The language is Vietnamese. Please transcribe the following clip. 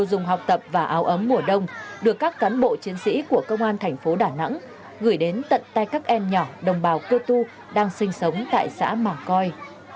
đồ dùng học tập và áo ấm mùa đông được các cán bộ chiến sĩ của công an thành phố đà nẵng gửi đến tận tay các em nhỏ đồng bào cơ tu đang sinh sống tại xã mà coi